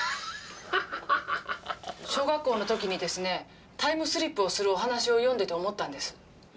あはははは！小学校の時にですねタイムスリップをするお話を読んでて思ったんです。